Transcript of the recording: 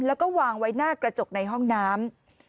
แล้วก็วางไว้หน้ากระจกในห้องน้ำ